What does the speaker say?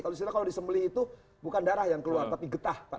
kalau di semeli itu bukan darah yang keluar tapi getah